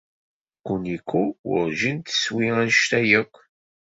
Kuniko werjin teswi anect-a akk.